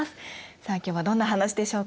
さあ今日はどんな話でしょうか。